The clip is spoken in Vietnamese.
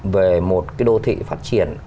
về một cái đô thị phát triển